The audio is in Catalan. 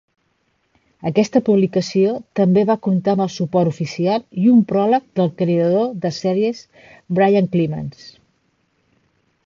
Aquesta publicació també va comptar amb el suport oficial i un pròleg del creador de sèries Brian Clemens.